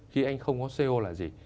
khi anh không có co là gì